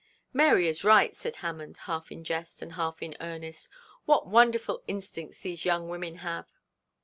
'Mary is right,' said Hammond, half in jest and half in earnest. 'What wonderful instincts these young women have.'